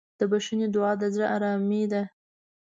د بښنې دعا د زړه ارامي ده.